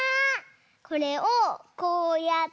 これをこうやって。